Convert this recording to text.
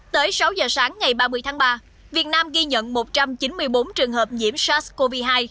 tới sáu giờ sáng ngày ba mươi tháng ba việt nam ghi nhận một trăm chín mươi bốn trường hợp nhiễm sars cov hai